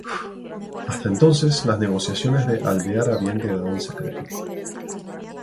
Hasta entonces, las negociaciones de Alvear habían quedado en secreto.